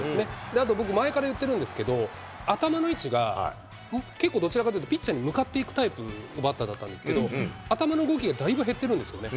あと僕、前から言ってるんですけど、頭の位置が結構どちらかというと、ピッチャーに向かっていくタイプのバッターだったんですけど、頭の動きがだいぶ減っているんですよね。